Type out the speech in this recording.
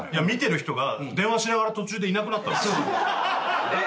見てる人が電話しながら途中でいなくなったのよ。